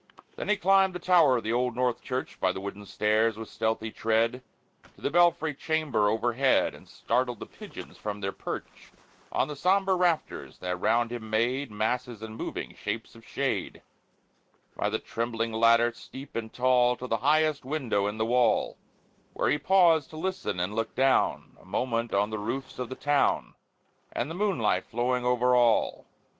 Then he climbed the tower of the Old North Church, By the wooden stairs, with stealthy tread, To the belfry chamber overhead, And startled the pigeons from their perch On the sombre rafters, that round him made Masses and moving shapes of shade, By the trembling ladder, steep and tall, To the highest window in the wall, Where he paused to listen and look down A moment on the roofs of the town, And the moonlight flowing over all.